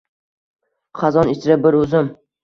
Xazon ichra bir o‘zim